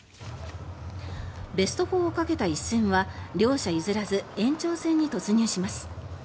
ベスト４をかけた一戦は両者譲らず延長戦に突入します。